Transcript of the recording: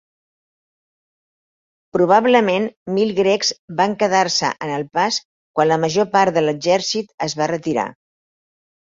Probablement mil grecs van quedar-se en el pas quan la major part de l'exèrcit es va retirar.